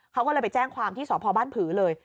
เขาก็เลยไปแจ้งความที่สพบ้านผือเลย